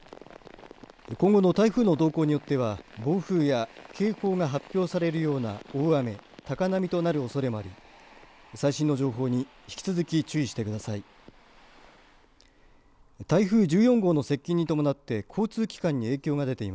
今後の台風の動向によっては暴風や警報が発表されるような大雨、高波となるおそれもあり最新の情報に引き続き注意してください。